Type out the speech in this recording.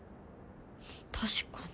確かに。